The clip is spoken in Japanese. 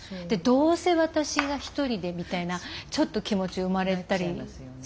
「どうせ私が一人で」みたいなちょっと気持ち生まれたりしますね。